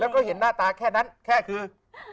แล้วก็เห็นหน้าตาแค่นั้นแค่คือ